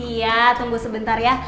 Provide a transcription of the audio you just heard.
iya tunggu sebentar ya